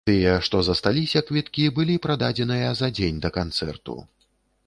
Тыя, што засталіся квіткі былі прададзеныя за дзень да канцэрту.